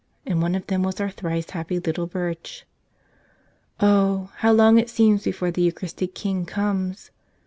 And one of them was our thrice happy little Birch! Oh, how long it seems before the Eucharistic King comes!